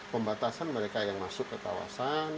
pembatasan mereka yang masuk ke kawasan